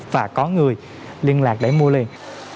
và có người liên lạc để mua liền